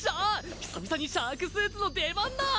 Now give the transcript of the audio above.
久々にシャークスーツの出番だ！